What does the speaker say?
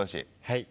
はい。